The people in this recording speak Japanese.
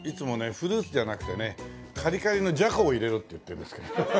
フルーツじゃなくてねカリカリのじゃこを入れろって言ってんですけど。